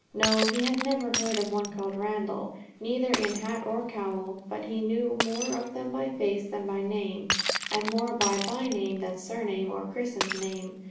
No; he had never heard of one called Randall, neither in hat nor cowl, but he knew more of them by face than by name, and more by byname than surname or christened name.